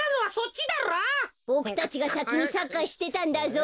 ボクたちがさきにサッカーしてたんだぞ。